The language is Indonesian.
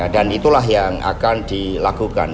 dan itulah yang akan dilakukan